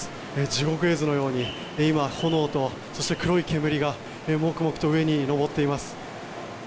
地獄絵図のように炎と黒い煙がもくもくと上に上っています。